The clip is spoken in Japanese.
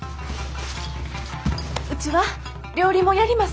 うちは料理もやります！